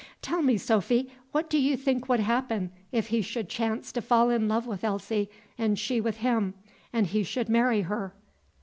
Tell me, Sophy, what do you think would happen, if he should chance to fall in love with Elsie, and she with him, and he should marry her?"